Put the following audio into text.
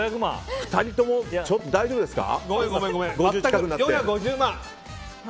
２人とも大丈夫ですか？